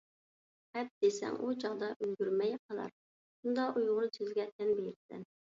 «خەپ» دېسەڭ ئۇچاغدا ئۈلگۈرمەي قالار، شۇندا ئۇيغۇر سۆزىگە تەن بىرىسەن.